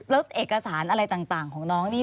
แล้วเอกสารอะไรต่างของน้องนี่